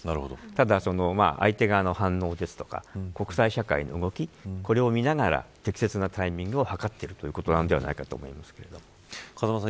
ただ、相手側の反応ですとか国際社会の動き、これを見ながら適切なタイミングを図っているということではないかと風間さん